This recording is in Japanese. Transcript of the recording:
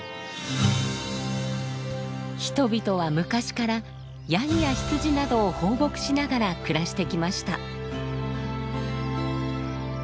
人々は昔からヤギや羊などを放牧しながら暮らしてきました。